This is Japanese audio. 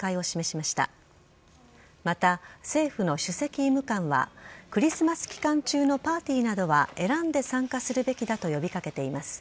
また、政府の主席医務官はクリスマス期間中のパーティーなどは選んで参加するべきだと呼び掛けています。